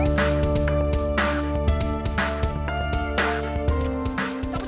iya iya sebentar boynya